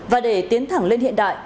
và để tiến thẳng lên hiện đại